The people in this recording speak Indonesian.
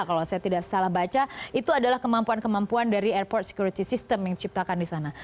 kalau saya tidak salah baca itu adalah kemampuan kemampuan dari airport security system yang diciptakan di sana